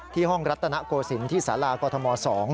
ห้องรัตนโกศิลป์ที่สารากรทม๒